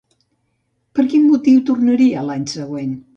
Per quin motiu tornaria l'any següent?